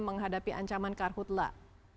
menghadapi ancaman karhutlah